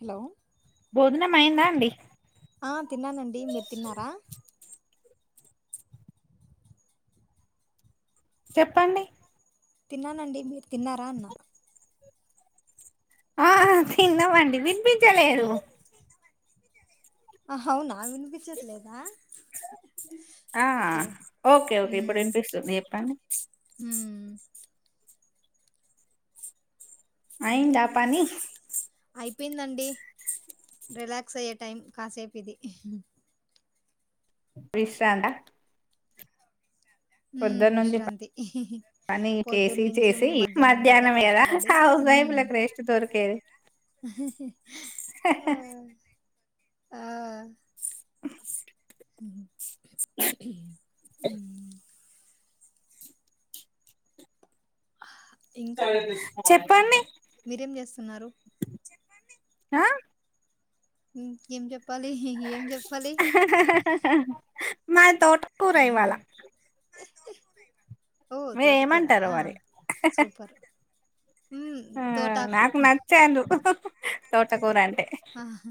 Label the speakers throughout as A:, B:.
A: Hello
B: భోజనం అయిందా అండి
A: ఆ తిన్నానండి మీరు తిన్నారా
B: చెప్పండి
A: తిన్నానండి మీరు తిన్నారా అన్న
B: ఆ తిన్నామండి వినిపించలేదు
A: ఆ అవునా వినిపించట్లేదా
B: ఆ
A: ఓకే
B: ఓకే ఓకే ఇప్పుడు
A: ఉమ్
B: వినిపిస్తుంది చెప్పండి
A: అ
B: అయిందా పని
A: అయిపొయిందండి రిలాక్స్ అయ్యే టైం కాసేపు ఇది
B: విశ్రాంత
A: ఉ
B: పొద్దున్న నుంచి
A: విశ్రాంతి హ్ హ్
B: పని చేసి
A: పొద్దున్న నుంచి మధ్యాహ్నం దాకా కష్టపడి ఉమ్
B: వైఫ్లకు రెస్ట్ దొరికేది
A: ఆ ఆ ఉమ్, ఇంకా
B: చెప్పండి
A: మీరేం చేస్తున్నారు
B: ఆ
A: ఉ ఏం చెప్పాలి ఏం చెప్పాలి
B: హ్ హ్ మా తో
A: ఓ
B: మీరు
A: తోటకూరా
B: ఏమంటారో మరి
A: సూపర్ ఉమ్
B: ఆ
A: తోటాకు
B: నాకు నచ్చాదు తోటకూరని
A: ఆహ హ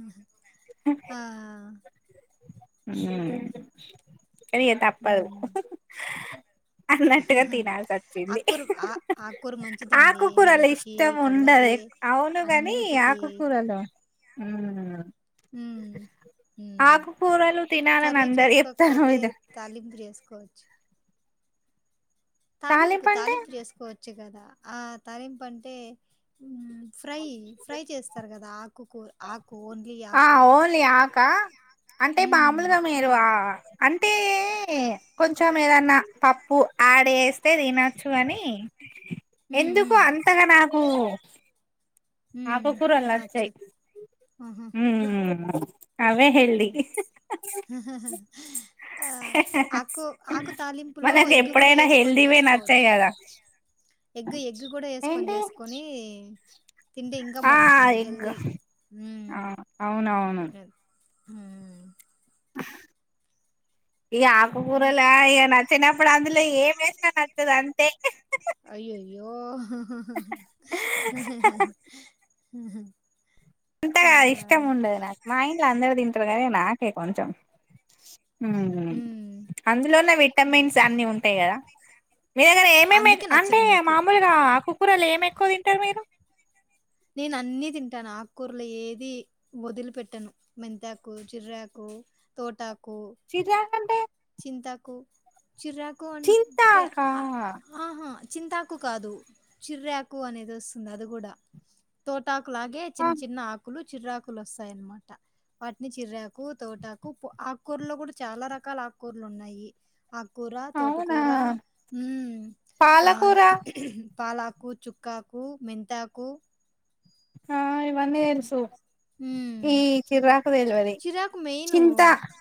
A: ఆ అది.
B: కనీ తప్పదు
A: హ్మ్
B: అన్నట్టుగా తినాల్సి వచ్చింది
A: ఆకుకూర ఆ ఆకూర మంచిదండి హెల్త్ కి కళ్ళకి
B: అదే అవును కాని
A: అన్నిటికీ
B: ఆకుకూరలో ఆ అ
A: హ్మ్ హ్మ్
B: ఆకుకూరలు తినాలని
A: కర్రీ
B: అందరు చెప్తారు
A: చేసుకోకపోతే
B: ఇద
A: తాలింపు చేసుకోవచ్చు తాలింపు తాలింపు చేసుకోవచ్చు కదా ఆ తాలింపు అంటే ఫ్రై ఫ్రై చేస్తారు కదా ఆకుకూర ఆకు ఓన్
B: ఆ ఓన్లీ ఆకా అంటే
A: హ్మ్
B: బాములుగా మీరు ఆ అంటే కొ చెం ఏదన్నా పప్పు ఆడ్ చేస్తే తినొచ్చు అని
A: హ్మ్
B: ఎందుకు
A: హ్మ్
B: అంతగా నాకు
A: హ్మ్
B: ఆకుకూరలు
A: నచ్చు
B: నచ్చెయ్
A: ఆహా
B: ఆ
A: ఆకు ఆకు తాలింపు
B: మనకెప్పుడైనా హెల్దీ వి నచ్చాయి కదా
A: ఎగ్ ఎగ్గు కూడా ఏసుకొని చేసుకొని తింటే ఇంకా
B: ఆ
A: బాగుంటుంది
B: ఎగ్
A: హెల్దీ
B: ఆ అవునవును
A: హ
B: ఇగ ఆకుకూరల ఇక నచ్చినప్పుడు అందులో ఏం వేసినా నచ్చదు అంతే
A: అయ్యయ్యో [inaudible] ఆ
B: అంతగా ఇష్టం ఉండదు నాకు మా ఇంట్లో అందరూ తింటారు కానీ నాకే కొంచెం
A: ఉమ్
B: అందులోనే విటమిన్స్ అన్ని ఉంటాయి కదా మీరు ఏమేమి
A: అందుకే
B: అంటే
A: నచ్చదు మీకు
B: మామూలుగా ఆ ఆకుకూరలు ఏం ఎక్కువ తింటారు మీరు
A: నేను అన్ని తింటాను ఆకుకూరలో ఏది వదిలి పెట్టాను మెంతాకు జీర్రాకు తటాకు
B: చిరాకు అంటే
A: చింతాకు చిర్రాకు అంటే
B: చింతాకా
A: ఆహా చింతాకు కాదు చిర్రాకు అనేది వస్తుంది అది కూడా తోటాకు లాగే చిన్న చిన్న ఆకులు చిర్రాకులొస్తాయన్నమాట వాటిని చిర్రాకు తోటాకు పో ఆకూరలో కూడా చాలా రకాల కూర్లు ఉన్నాయి ఆకుకూర
B: అవునా
A: తోటకూర ఆ
B: పాలకూర
A: పాలాకు చుక్కాకు మెంతాకు
B: ఆ ఏవ్ వన్నీ తెలుసు
A: ఉమ్
B: ఈ చిర్రాకు తెల్వది
A: చిరాకు మెయిన్
B: చింత
A: ఉమ్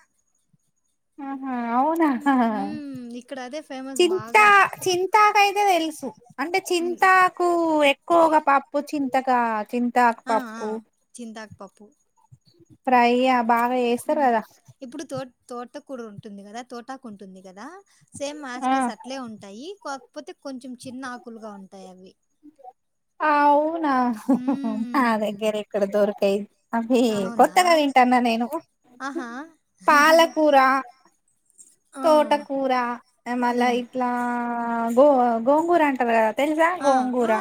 B: ఆ ఆ అవునా
A: ఉమ్ ఇక్కడ అదే ఫేమస్
B: చింతా
A: బాగా
B: చింతాకైతే తెలుసు అంటే
A: ఉమ్
B: చింతాకు ఎక్కువగా పప్పు చింతకా చింతాకు
A: ఆ ఆ
B: పప్పు
A: చింతాకు పప్పు
B: ఫ్రై యా బాగా చేస్తారు కదా
A: తోట కూడు ఉంటుంది కదా తోటాకు ఉంటుంది కదా సేమ్
B: ఆ
A: మాస్టిస్ అట్లే ఉంటాయి కాక్ పోతే కొంచెం చిన్న ఆకులుగా ఉంటాయి అవి
B: ఆవునా ఆ
A: హ్మ్.
B: దగ్గర ఇక్కడ దూరకై అవి
A: అవునా?
B: కొత్తగా తింటానా నే నువ్వు
A: ఆహా!
B: పాలకూర
A: ఆ!
B: తోటకూర మళ్ళా
A: హ్మ్.
B: ఇట్లా గో గోంగూర అంటారు కద తెలుసా గోంగూరా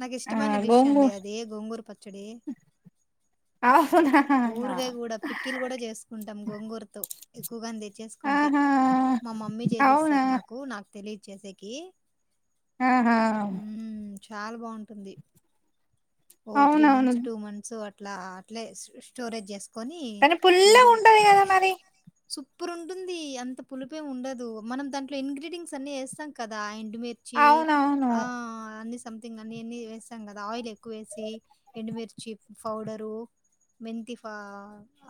A: నాకు ఇష్టమైన డిష్ అండి అది గోంగూరు పచ్చడి
B: ఆవ్
A: ఊరుగాయ కూడా పిక్కిీలు కూడా చేసుకుంటాం గోంగూరుతో ఎక్కువగాని తెచ్చేసుకుంటే
B: ఆహా
A: మా మమ్మీ
B: అవునా
A: చేసిస్తారు నాకు నాకు తెలియచ్చేసేకి
B: ఆహా
A: చాలా బాగుంటుంది ఓ త్రీ
B: అవునవును
A: మంత్స్ టూ మంత్స్ అట్ లా అట్లే స్టోరేజ్ చేసుకొని
B: కానీ పుల్లగా
A: వేడివి
B: ఉంటది కదా మరి
A: సూపర్ ఉంటుంది అంత పులిపేమి ఉండదు మనం దాంట్లో ఇంగ్రెడియంట్స్ అన్ని వేస్తాం కదా ఆ మిర్చి
B: అవునవును
A: ఆ అన్నీ సమ్థింగ్ అన్నీ ఎన్నీ వేసాం కదా ఆయిల్ ఉక్కు వేసి ఎండుమిర్చి పౌడరు మెంతి ఫ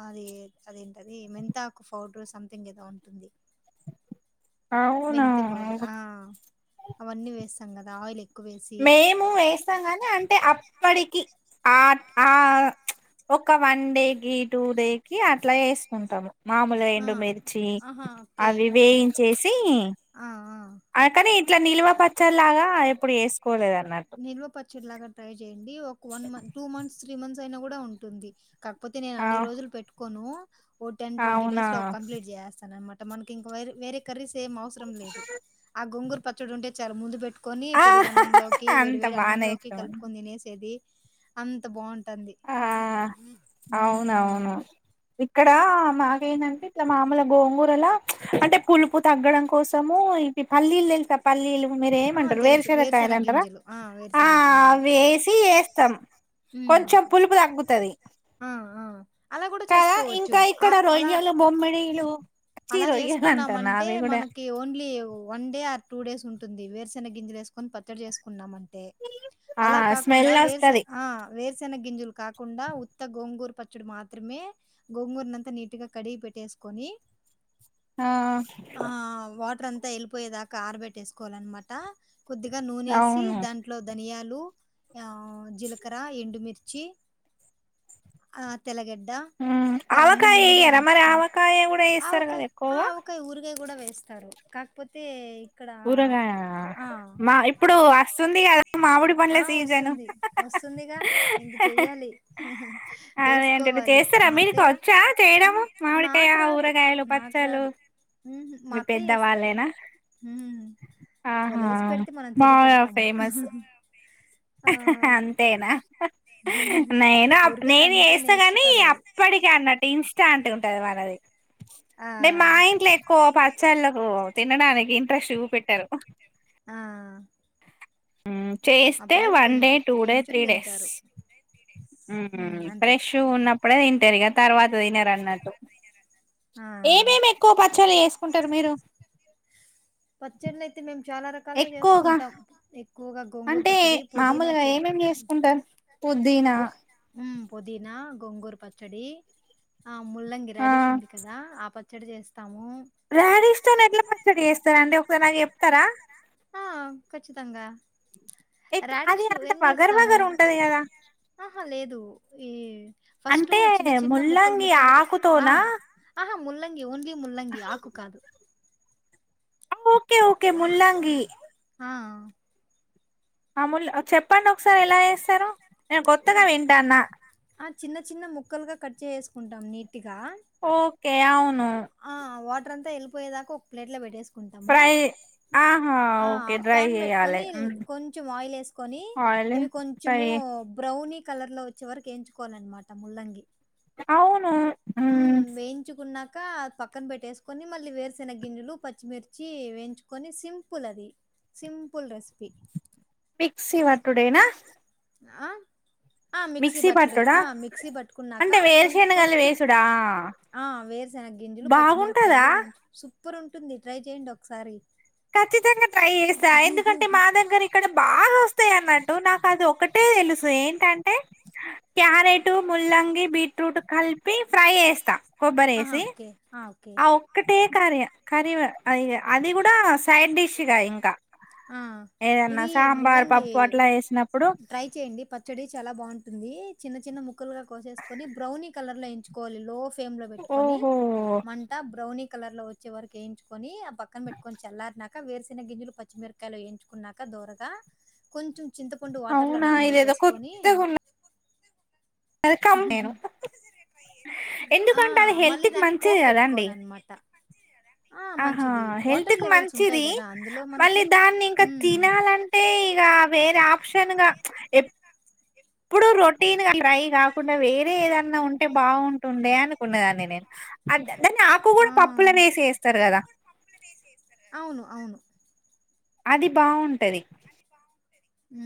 A: అది అదేంటది మెంతాకు పౌడర్ సంథింగ్ ఏదో ఉంటుంది
B: అవునా
A: మెంతి పౌడర్ ఆ అవన్నీ వేస్తాం కదా ఆయిల్ ఎక్
B: మేము వేస్తాం కానీ అంటే అప్పటికి ఆ ఆ ఒక వన్ డే కి టూ డే కి అట్లా వేసుకుంటాము మాములుగా
A: ఆ
B: ఎండుమిర్చి
A: ఆహా ఓకే
B: అవి వేయించేసి
A: ఆ ఆ
B: అ కాని ఇట్లా నిల్వ పచ్చలాగా ఎప్పుడు చేసుకోం
A: నిల్వ పచ్చడి లాగా ట్రై చేయండి ఒక one month two months three months అయినా కూడా ఉంటుంది కాకపోతే నేను
B: ఆ
A: అన్ని రోజులు పెట్టుకోను ఓ టెన్ ట్వంటీ
B: అవునా
A: డేస్ లో కంప్లీట్ జేసేస్తాను అనమాట ట మనకి ఇంకా వేరే వేరే కర్రీస్ ఏం అవసరం లేదు ఆ గొంగూరు పచ్చడి ఉంటే చాలా ముందు పెట్టు కొని
B: ఆ
A: పెరుగు అన్నంలోకి వేడి
B: అంత
A: వేడి
B: బానే
A: అన్నంలోకి
B: ఇష్టం అండి
A: కలుపుకుని తినేసేది అంత బాగుంటంది
B: ఆ అవునవును ఇక్కడ మాకేందంటే ఇట్లా మామూలు గోంగూరల అంటే పులుపు తగ్గడం కోసము ఈ పల్లీలు తెలుసా పల్లీలు మీర
A: ఆ
B: ఏమంటారు
A: తెలుసు వేరుశెనగ
B: వేరుసెనగకాయలంటరా
A: గింజలు
B: ఆ
A: వేరుశెనగ గింజలు
B: వేసి వేస్తాం
A: ఉమ్
B: కొంచెం పులుపు తగ్గుతది
A: ఆ ఆ అలా కూడా
B: కదా
A: చేసుకోవచ్చు
B: ఇంకా
A: ఆ
B: ఇక్కడ
A: అలా
B: రొయ్యలు బొమ్మిడిలు
A: అలా చేసుకున్నామంటే మనకి only one day or two days ఉం ఉంటుంది వేరుసన గింజలు ఏసకొని పచ్చడి చేసుకున్నామం
B: ఆ
A: అలా కాకుండా
B: స్మెల్
A: వేరుస
B: వస్తది
A: ఆ వేర్ సేనన గింజలు కాకుండా ఉత్త గోంగూరు పచ్చడి మాత్రమే గోంగూర నంతా నీటుగా కడిగి పెట్టే స్ కొనీ
B: ఆ
A: రాత్రంతా ఎల్లిపోయే దాకా ఆరబెట్టిసు కోవాలి అనామాట కొద్దిగా నూనే వేసీ
B: అవును
A: దాంట్లో ధాన్యాలు లు ఆ జీలకర్ర ఎండు మిర్చి ఆ తెల్ల గడ్
B: ఉమ్ ఆవకాయ ఏయ్యరా మరి ఆవకాయ కూడా ఎస్
A: అవకాయ ఆ ఆవకాయ ఊరకాయ కూడా వేస్తారు కాకపోతే ఇక్కడ
B: ఊరగాయ
A: ఆ
B: మా ఇప్పుడు అస్తుంది కదా మామిడి పండ్ల
A: ఆ
B: సీజను
A: వస్తుంది వస్తుందిగా ఇంక చెయ్యాలి వేసుకోవాలి మా
B: మీరికి
A: అత్తయ్య
B: వచ్చా చేయడము
A: ఉమ్
B: మామిడికాయ
A: నాకు రాదు
B: ఊరగాయలు
A: నాకు
B: పచ్చలు
A: రాదు ఉహు మా అత్తయ్య ఎస్తారు వాళ్ళు
B: ఆహా
A: ఏసి పెడితే మనం తిని
B: బాగా
A: పెడతాము
B: ఫేమస్
A: ఆ
B: అంతేనా నేను నేను
A: ఊరగాయలంతా
B: ఏస్తా కాని
A: నేర్చుకోలేదు
B: అప్ప ఇగ అన్నట్ ఇన్స్టాంట్ ఉంటాది మా నాది
A: ఆ
B: మేము మా ఇంట్లో ఎక్కువ పచ్చళ్ళలకు తినడానికి ఇ ట్రెస్ట్ చూ పెట్టారు
A: ఆ
B: మ్
A: ఆ
B: చేస్తే
A: పిల్లలు
B: వన్ డే
A: కొంచెం
B: టూ డే
A: కొంచెం
B: త్రీ డేస్
A: తింటారు ఉమ్
B: మ్
A: అంతే
B: ఫ్రెష్ ఉన్నప్పుడే తింటారు ఇగా తర్వాత తినరు అన్నట్టు
A: ఆ
B: ఏమేమి ఎక్కువ పచల్లు చేసుకుంటారు మీరు
A: పచ్చళ్ళు అయితే మేము చాలా రకాలే
B: ఎక్కువగా
A: చేసుకుంటాం ఎక్కువగా గోంగూర
B: అంటే
A: పచ్చడి పుదీనా
B: మామూలుగా
A: చెట్
B: ఏమేమి చేసుకుంటారు పుదీనా
A: గో ఉమ్ పుదినా గోంగూరు పచ్చడి ఆ ముల్లంగి
B: ఆ
A: రాడీష్ ఉంది కదా ఆ పచ్చడి చేస్తాము
B: ర్యాడిష్ తోని ఎట్లా పచ్చడి చేస్తారండి ఒకసారి నాకు చెప్తారా
A: ఆ ఖచ్చితంగా
B: ఎట్ అది
A: రాడీష్
B: అంత
A: ఏం
B: వగరు
A: చేస్తాము
B: వగరు ఉంటది కదా
A: ఆహా లేదు ఈ ఫస్ట్
B: అంటే
A: చిన్న చిన్న ముక్కల్
B: ముల్లంగి
A: ముక్కల్గా ఆ
B: ఆకుతోనా
A: ఆహా ముల్ల ఓన్లీ ముల్లంగి ఆకు కాదు
B: ఓకే ఓకే ముల్లాంగి
A: అ
B: అ ముల్ చెప్పండి ఒకసారి ఎలా చేస్తారో
A: ఆ చిన్న చిన్న ముక్కలుగా కట్ చేేసేసుకుంటాం నీట్గా
B: ఓకె అవును
A: ఆ వాటర్ అంతా వెళ్ళిపోయేదాకా ఒక ప్లేట్ ల పెట్టేస్ కుంటాము
B: ఫ్రై ఆహా
A: ఆ
B: ఓకే డ్రై
A: ప్యాన్
B: చేయాలి
A: పెట్టుకొని కొంచెం ఆయిల్ వేసుకొని
B: ఆయిల్
A: ఇవి
B: ఫ్రై
A: కొంచము బ్రౌనీ కలర్ లో వచ్చే వరకు ఎంచుకోవాలన్నమాట ముల్లంగి
B: అవును
A: ఉ వేయించుకున్నా ఇకా పక్కన పెట్టేసుకొని మళ్ళీ వేరుసినగ గింజలు పచ్చిమిర్చి వేయించుకొని సింపుల్ అది సింపుల్ రెసిపీ
B: మిక్సీ వటుడేనా
A: ఆ ఆ మిక్సీ బట్టడు
B: పట్టుడా
A: మిక్సీ పట్టుకున్నాక
B: అంటే
A: కొం
B: వేరుశనగలు
A: కొంచెం
B: వేసుడా
A: ఆ వేరుసెనగ గింజలు
B: బాగుంటదా
A: పచ్చిమిరకాయలు వేన్ సుప్ పుర్ ఉంటుంది ట్రై చేయండి ఒకసారి
B: ఖచ్చితంగా ట్రై చేస్తా ఎందుకంటే మా దగ్గర ఇక్కడ బాగా వస్తాయి అన్నట్టు నాకు అది ఒకటి ట్టే తెలుసు ఏంటంటే క్యారెట్ ముల్లంగి బీట్రూట్ కలిపి ఫ్రై చేస్తా కొబ్బరి
A: ఆహా
B: వేసి
A: ఓకే ఓకే
B: ఆ ఒక్కటే కరీ య కరివ అది అది కూడా సైడ్ డిష్గా ఇంకా
A: ఆ
B: ఏదన్న
A: ఇది
B: సాంబార్
A: ముల్లంగి
B: పప్పు అట్లా వేసినప్పుడు
A: ట్రై చేయండి పచ్చడి చాలా బాగుంటుంది చిన్న చిన్న ముక్కలు గా కోసేసుకొని బ్రౌనీ కలర్ లో ఎంచుకోవాలి లో ఫ్ ఫేమ్ లో పెట్టుకొని
B: ఓహో
A: మంట బ్రౌని కలర్ లో వచ్చే వరకి వేయించుకొని అప్ పక్కన పెట్టుకొని చల్లారినాక వేరుసిన గింజలు పచ్చిమిరకాయలు వేయించుకున్నాక దోరగా కొంచెం చింతపండు వాటర్ ల
B: అవునా ఇదేదో
A: నానబెట్టేసుకొని
B: అది కమ్ నేను
A: ఆ
B: ఎందుకంటే అది
A: మళ్ళీ
B: హెల్త్కి
A: దాన్ని
B: మంచిది
A: పోపు
B: కదా అండి
A: పెట్టుకోవాలన్నమాట ఆ!
B: ఆహా
A: మంచిది.
B: హెల్త్
A: వాటర్
B: కి
A: లెవెల్స్ ఉంటాయి
B: మంచిది
A: గదా! అందులో మనకి
B: మళ్ళీ దాన్ని ఇంకా
A: హ్మ్.
B: తినాలంటే క వేర ఆప్ షన్ గా ఎప్పుడు రొటీన్ గా ట్రై కాకుండా వేరే ఏదన్నా ఉంటే బాగుంటుండే అనుకున్నదాన్ని నేను అద దాన్ని ఆకు
A: ఆ!
B: కూడా పప్పులనే వేసిస్తారు కదా
A: అవును. అవును.
B: అది బాగుంటది
A: ఊ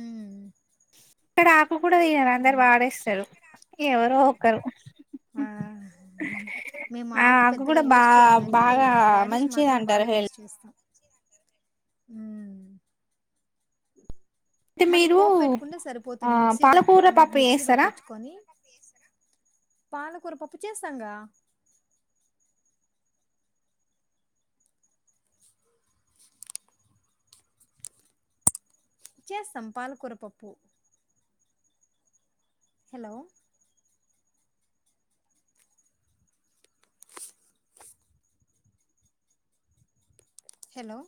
B: ఇక్కడ ఆకులు కూడా తినరు అందరు వాడేస్తారు ఇగ ఎవరో ఒకరు
A: ఆ హ హ మేము
B: ఆ
A: ఆకు పెద్దగా
B: కూడా బా
A: యూస్ చేయం గాని
B: బాగా
A: రాడిష్
B: మంచిది
A: మాత్రం
B: అంటారు
A: బాగా యూస్
B: హెల్త్
A: చేస్తాం ఊ మళ్ళీ
B: మీరు
A: పోపు పెట్టుకుంటే
B: ఆ
A: సరిపోతుంది మిక్సీ పట్టు
B: పాలకూర పప్పు
A: మిక్సీ
B: చేస్తారా
A: పట్టించుకొని పాలకూర పప్పు చేస్తాంగా చేస్తాం పాలకూరపప్పు హలో హలో